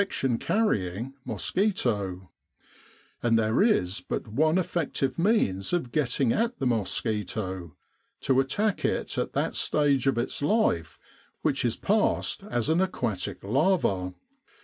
Camp Sanitation infection carrying mosquito; and there is but one effective means of getting at the mosquito to attack it at that stage of its life which is passed as an aquatic larva.